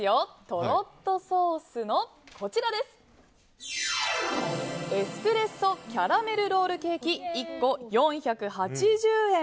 とろっとソースのエスプレッソキャラメルロールケーキ１個４８０円。